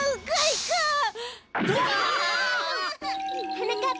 はなかっ